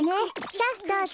さあどうぞ。